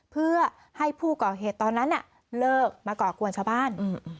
เพื่อให้ผู้ก่อเหตุตอนนั้นเลิกมาก่อกวนชาวบ้าน